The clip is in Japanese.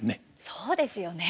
そうですよね。